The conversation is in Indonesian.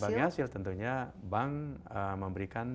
nah yang bagi hasil tentunya bank memberikan